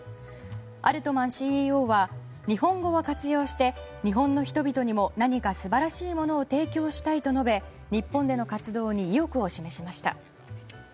アルトマンＣＥＯは日本語を活用して日本の人々にも何か素晴らしいものを提供したいと述べ日本での活動に意欲を示しました。